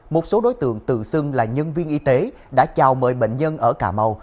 một số đối tượng tự xưng là nhân viên y tế đã chào mời bệnh nhân ở cà mau